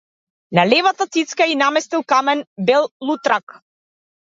На левата цицка ѝ наместил камен белутрак.